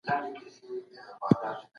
آیا ته په رښتیا آزاد ژوند لرې؟